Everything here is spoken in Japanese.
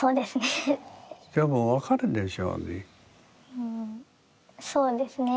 うんそうですね。